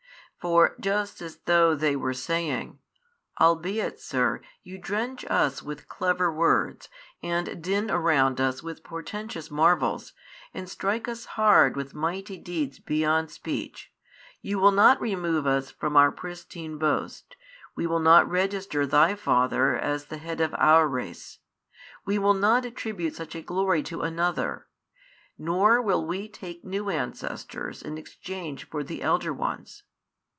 For just as though they were saying, Albeit, sir, you drench us with clever words, and din around us with portentous marvels, and strike us hard with mighty deeds beyond speech, you will not remove us from our pristine boast, we will not register Thy father as the head of our race, we will not attribute such a glory to another, nor will we take new ancestors in exchange for the elder ones.